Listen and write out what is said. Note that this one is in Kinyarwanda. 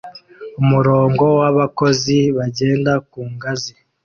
Umurongo w'abakozi bagenda ku ngazi